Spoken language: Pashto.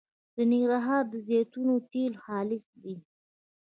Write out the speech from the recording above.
د ننګرهار د زیتون تېل خالص دي